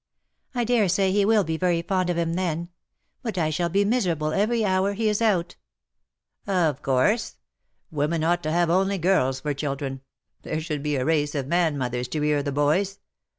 ''" I dare say he will be very fond of him then. But I shall be miserable every hour he is out." " Of course. Women ought to have only girls for children. There should be a race of man mothers to rear the boys.